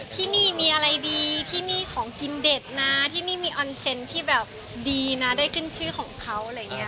ที่นี่มีอะไรดีที่นี่ของกินเด็ดนะที่นี่มีออนเซ็นต์ที่แบบดีนะได้ขึ้นชื่อของเขาอะไรอย่างนี้